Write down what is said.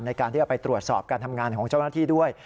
ในการที่จะไปตรวจสอบการทำงานของเจ้าหน้าที่ด้วย